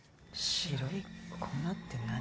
白い粉って何？